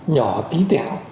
nhỏ tí tẻo